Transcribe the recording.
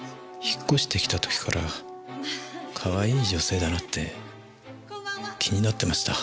引っ越して来た時からかわいい女性だなって気になってました。